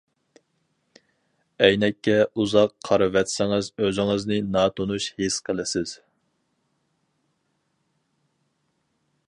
ئەينەككە ئۇزاق قارىۋەتسىڭىز ئۆزىڭىزنى ناتونۇش ھېس قىلىسىز.